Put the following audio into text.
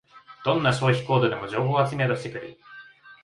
どんな消費行動でも情報を集めようとしてくる